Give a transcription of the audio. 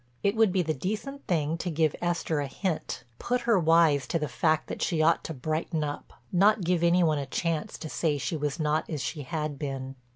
It would be the decent thing to give Esther a hint, put her wise to the fact that she ought to brighten up—not give any one a chance to say she was not as she had been.